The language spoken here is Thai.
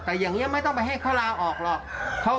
แต่อย่างนี้ไม่ต้องไปให้เขาลาออกหรอก